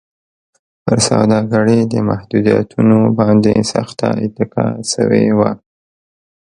پر سوداګرۍ د محدودیتونو باندې سخته اتکا شوې وه.